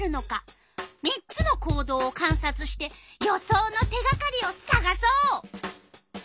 ３つの行動をかんさつして予想の手がかりをさがそう！